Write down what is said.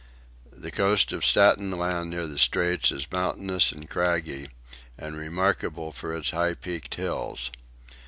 The coast of Staten Land near the Straits is mountainous and craggy, and remarkable for its high peaked hills.